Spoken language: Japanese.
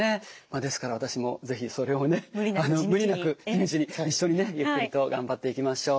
ですから私も是非それをね無理なく地道に一緒にねゆっくりと頑張っていきましょう。